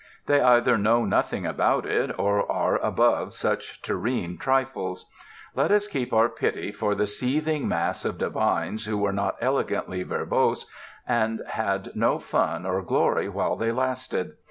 They either know nothing about it, or are above such terrene trifles. Let us keep our pity for the seething mass of divines who were not elegantly verbose, and had no fun or glory while they lasted.